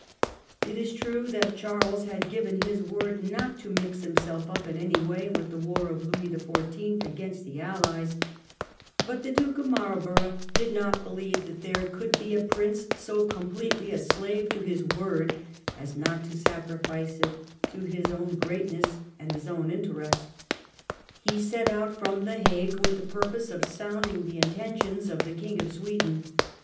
It is true that Charles had given his word not to mix himself up in any way with the war of Louis the Pourteenth against the Allies ; but the Duke of Marlborough did not believe that there could be a prince so completely a slave to his word as not to 12 THE REIGN OF QUEEN ANNE. ch. xxi. sacrifice it to his own greatness and his own interest. He set out from The Hague with the purpose of sounding the intentions of the King of Sweden.